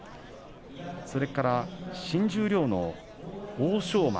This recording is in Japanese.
それから新十両の欧勝馬